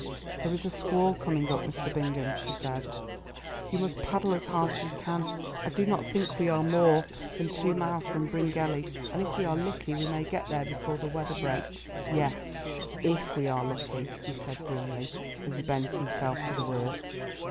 "There is a squall coming up, Mr. Bingham," she said; "you must paddle as hard as you can. I do not think we are more than two miles from Bryngelly, and if we are lucky we may get there before the weather breaks." "Yes, if we are lucky," he said grimly, as he bent himself to the work.